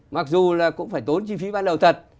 mặc dù là cũng phải tốn chi phí ban đầu thật